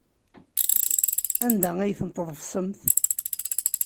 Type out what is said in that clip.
Anda ay tent-tḍefsemt?